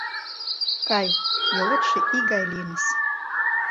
Кай, йолетше ий гай лийыныс.